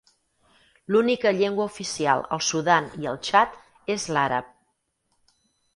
L'única llengua oficial al Sudan i al Txad és l'àrab.